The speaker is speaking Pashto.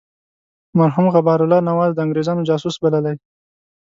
مرحوم غبار الله نواز د انګرېزانو جاسوس بللی.